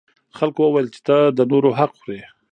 خلکو وویل چې ته د نورو حق خوري.